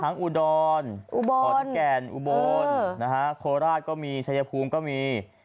อุดรขอนแก่นอุบลโคราชก็มีชายภูมิก็มี